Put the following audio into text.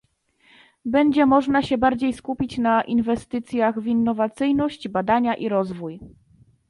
Będzie można się bardziej skupić na inwestycjach w innowacyjność, badania i rozwój